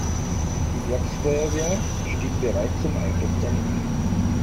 Die Werksfeuerwehr steht bereit zum Eingriff daneben.